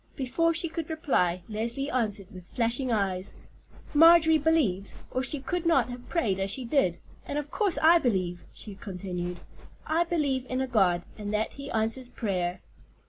Before she could reply, Leslie answered with flashing eyes: "Marjorie believes, or she could not have prayed as she did; and of course I believe," she continued. "I believe in a God, and that He answers prayer."